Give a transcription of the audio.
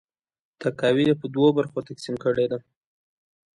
تاکاوی یې په دوه برخو تقسیم کړې ده.